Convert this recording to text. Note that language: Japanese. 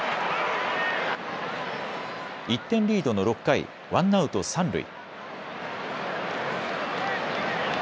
１点リードの６回、ワンアウト三塁。